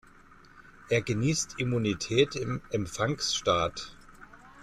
Er genießt Immunität im Empfangsstaat.